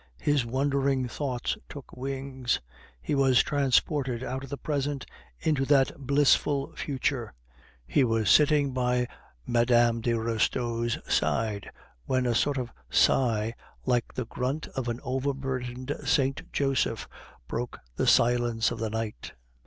His wondering thoughts took wings; he was transported out of the present into that blissful future; he was sitting by Mme. de Restaud's side, when a sort of sigh, like the grunt of an overburdened St. Joseph, broke the silence of the night.